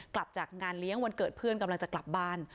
กลับจากงานเลี้ยงวันเกิดเพื่อนกำลังจะกลับบ้าน